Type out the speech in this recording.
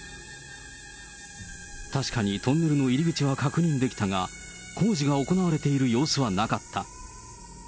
確かにトンネルの入り口は確認できたが、工事が行われている様子はなかった。